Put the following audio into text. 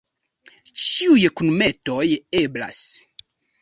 Ĉiuj kunmetoj eblas.